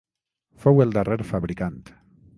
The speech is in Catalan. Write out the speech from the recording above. Fou el darrer fabricant.